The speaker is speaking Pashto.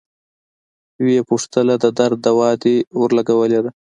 ويې پوښتله د درد دوا دې ورلګولې ده.